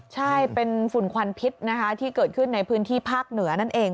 ใช่เป็นฝุ่นควันพิษนะคะที่เกิดขึ้นในพื้นที่ภาคเหนือนั่นเอง